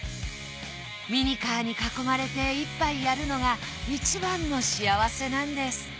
ミニカーに囲まれて一杯やるのが一番の幸せなんです